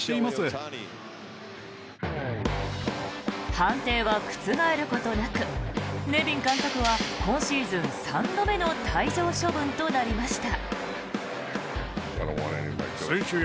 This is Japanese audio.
判定は覆ることなくネビン監督は今シーズン３度目の退場処分となりました。